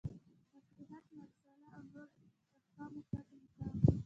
مصلحت مرسله او نورو احکامو پورته مقام